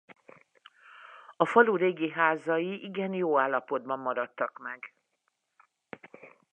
A falu régi házai igen jó állapotban maradtak meg.